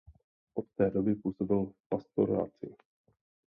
Od té doby působil v pastoraci.